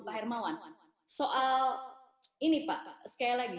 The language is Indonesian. pak hermawan soal ini pak sekali lagi